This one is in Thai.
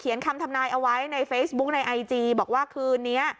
คำทำนายเอาไว้ในเฟซบุ๊กในไอจีบอกว่าคืนนี้